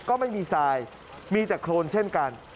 ก็ไม่มีทรายมีแต่โครนเช่นกัน